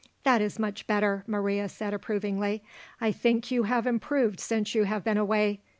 "That is much better," Maria said approvingly. "I think you have improved since you have been away.